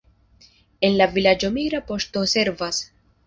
En la vilaĝo migra poŝto servas.